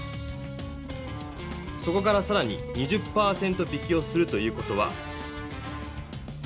そこからさらに２０％引きをするという事は。